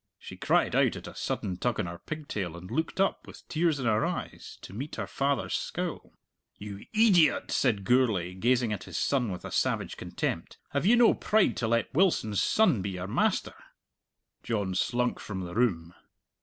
She cried out at a sudden tug on her pigtail, and looked up, with tears in her eyes, to meet her father's scowl. "You eediot!" said Gourlay, gazing at his son with a savage contempt, "have you no pride to let Wilson's son be your master?" John slunk from the room.